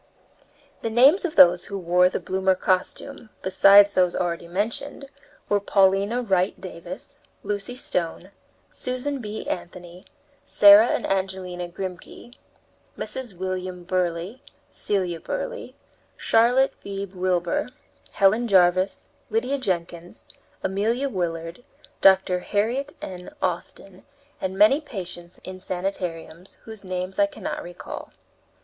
The names of those who wore the bloomer costume, besides those already mentioned, were Paulina Wright Davis, Lucy Stone, Susan B. Anthony, Sarah and Angelina Grimke, Mrs. William Burleigh, Celia Burleigh, Charlotte Beebe Wilbour, Helen Jarvis, Lydia Jenkins, Amelia Willard, Dr. Harriet N. Austin, and many patients in sanitariums, whose names I cannot recall.